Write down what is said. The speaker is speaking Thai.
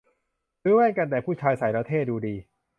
ซื้อแว่นกันแดดผู้ชายใส่แล้วเท่ดูดี